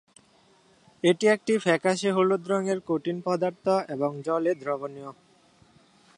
এটি একটি ফ্যাকাশে হলুদ রঙের কঠিন পদার্থ এবং জলে দ্রবণীয়।